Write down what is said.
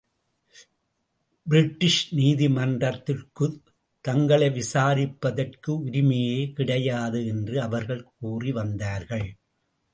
British நீதி மன்றத்திற்குத் தங்களை விசாரிப்பதற்கு உரிமையே கிடையாது என்று அவர்கள் கூறிவந்ததார்கள்.